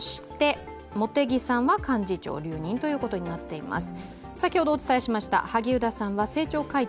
茂木さんは幹事長留任ということになっています。